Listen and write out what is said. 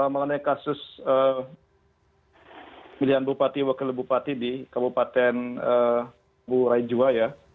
mengenai kasus pilihan bupati wakil bupati di kabupaten burai juwa ya